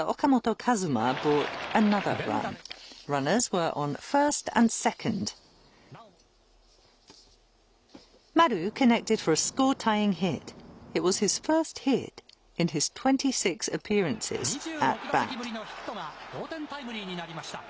２６打席ぶりのヒットが、同点タイムリーになりました。